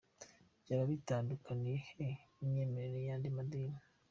Byaba bitandukaniye he n’imyemerere y’andi madini ?.